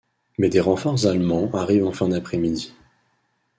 Mais des renforts allemands arrivent en fin d'après-midi.